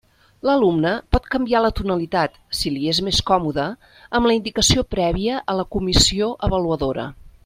L'alumne pot canviar la tonalitat, si li és més còmode, amb la indicació prèvia a la comissió avaluadora.